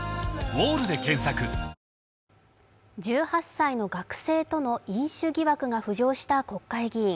１８歳の学生との飲酒疑惑が浮上した国会議員。